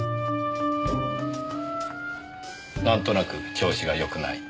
なんとなく調子がよくない。